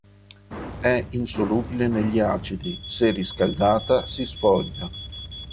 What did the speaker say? È insolubile negli acidi, se riscaldata si sfoglia.